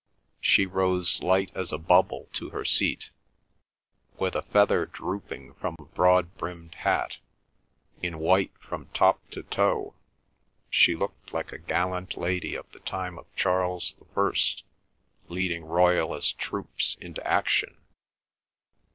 She rose light as a bubble to her seat. With a feather drooping from a broad brimmed hat, in white from top to toe, she looked like a gallant lady of the time of Charles the First leading royalist troops into action.